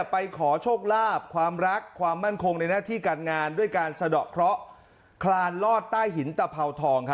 ไปดูรณฐานีกันก่อน